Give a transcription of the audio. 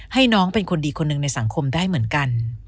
ให้น้องเป็นคนดีคนหนึ่งในสังคมได้เหมือนกัน